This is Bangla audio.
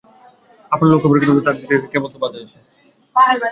আপন লোক হবার পক্ষে তার দিক থেকে কেবল তো বাধাই এসেছে।